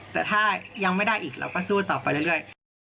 แต่ถ้ายังไม่ได้อีกเราก็สู้ต่อไปเรื่อย